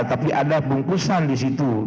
tapi ada bungkusan di situ